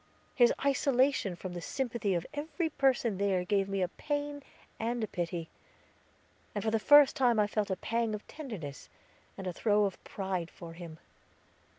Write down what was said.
His isolation from the sympathy of every person there gave me a pain and a pity, and for the first time I felt a pang of tenderness, and a throe of pride for him.